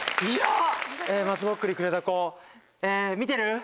松ぼっくりくれた子見てる？